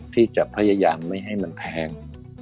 ที่จะพยายามไม่ให้มันแพง